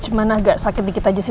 cuma agak sakit dikit aja sih